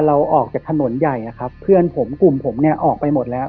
เราออกจากถนนใหญ่เพื่อนผมกลุ่มผมออกไปหมดแล้ว